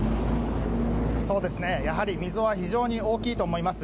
やはり溝は非常に大きいと思います。